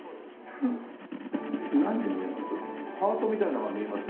何に見えます？